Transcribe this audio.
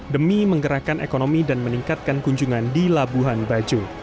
demi menggerakkan ekonomi dan meningkatkan kunjungan di labuan bajo